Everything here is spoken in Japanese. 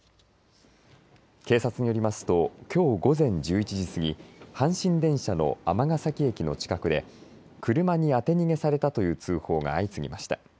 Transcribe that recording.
警察によりますときょう午前１１時過ぎ阪神電車の尼崎駅の近くで車に当て逃げされたという通報が相次ぎました。